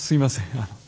あの。